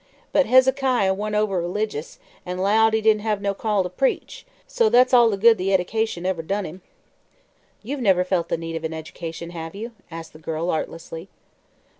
But Hezekiah wa'n't over religious, an' 'lowed he didn't hev no call to preach; so that's all the good the eddication ever done him." "You've never felt the need of an education, have you?" asked the girl, artlessly.